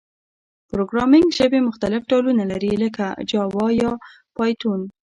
پروګرامینګ ژبي مختلف ډولونه لري، لکه جاوا او پایتون.